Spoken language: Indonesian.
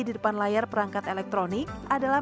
di depan layar perangkat elektronik adalah